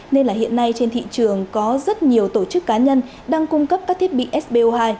nên là hiện nay trên thị trường có rất nhiều tổ chức cá nhân đang cung cấp các thiết bị so hai